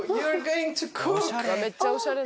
めっちゃおしゃれ。